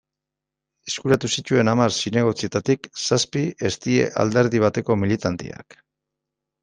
Eskuratu zituen hamar zinegotzietatik, zazpi ez dira alderdi bateko militanteak.